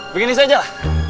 begini saja lah